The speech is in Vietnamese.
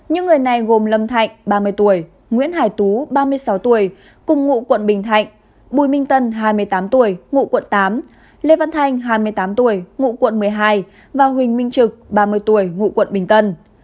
những người này gồm lâm thạnh ba mươi tuổi nguyễn hải tú ba mươi sáu tuổi cùng ngụ quận bình thạnh bùi minh tân hai mươi tám tuổi ngụ quận tám lê văn thanh hai mươi tám tuổi ngụ quận một mươi hai và huỳnh minh trực ba mươi tuổi ngụ quận bình tân